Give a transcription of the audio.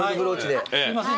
すいません